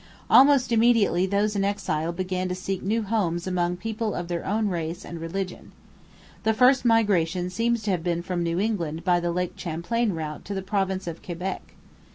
Almost immediately those in exile began to seek new homes among people of their own race and religion. The first migration seems to have been from New England by the Lake Champlain route to the province of Quebec.